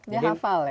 jadi di hafal ya